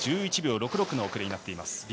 １１秒６６の遅れになっています。